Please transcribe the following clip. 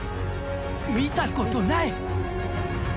見たことない。